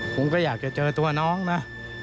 ผมก็อยากจะเจอตัวน้องนะ